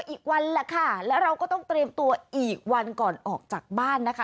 อีกวันแหละค่ะแล้วเราก็ต้องเตรียมตัวอีกวันก่อนออกจากบ้านนะคะ